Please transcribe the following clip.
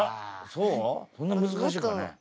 そんな難しいかね？